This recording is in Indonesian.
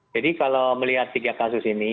jadi kalau melihat tiga kasus ini